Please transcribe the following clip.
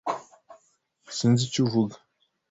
Sinzi icyo uvuga.